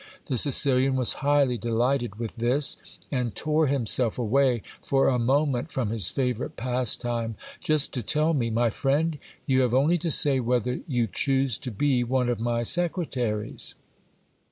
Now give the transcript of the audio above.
The Sicilian was highly delighted with this, and tore himself away for a moment from his favourite pastime, just to tell me : My friend, you have only to say whether you choose to be one of my secretaries.